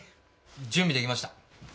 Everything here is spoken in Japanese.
準備出来ました。